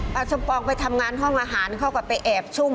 สมปองไปทำงานห้องอาหารเขาก็ไปแอบซุ่ม